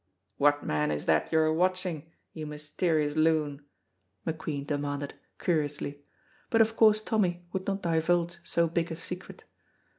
"What man is that you're watching, you mysterious loon?" McQueen demanded, curiously; but of course Tommy would not divulge so big a secret.